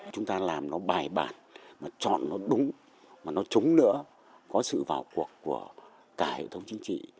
chúng ta làm nó bài bản mà chọn nó đúng mà nó chống nữa có sự vào cuộc của cả hệ thống chính trị